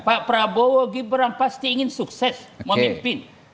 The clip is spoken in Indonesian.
pak prabowo gibran pasti ingin sukses memimpin